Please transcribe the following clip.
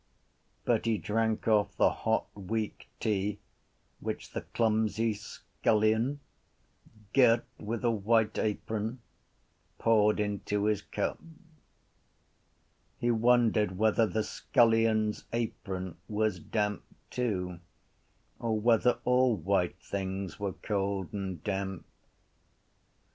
But he drank off the hot weak tea which the clumsy scullion, girt with a white apron, poured into his cup. He wondered whether the scullion’s apron was damp too or whether all white things were cold and damp.